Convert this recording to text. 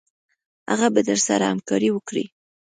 هغه به درسره همکاري وکړي.